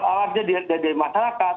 awalnya di masyarakat